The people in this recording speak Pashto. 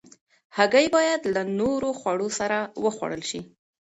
هګۍ باید له نورو خوړو سره وخوړل شي.